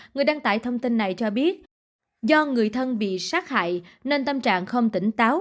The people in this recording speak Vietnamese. người đăng tải thông tin này cho biết do người thân bị sát hại nên tâm trạng không tỉnh táo